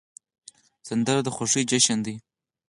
سندره د خوښیو جشن دی